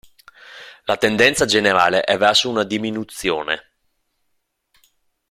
La tendenza generale è verso una diminuzione.